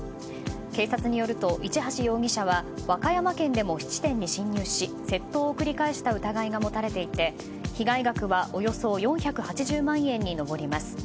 警察によると、市橋容疑者は和歌山県でも７店に侵入し窃盗を繰り返した疑いがもたれていて被害額はおよそ４８０万円に上ります。